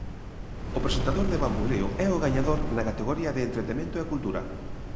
O presentador de Bamboleo é o gañador na categoría de entretemento e cultura.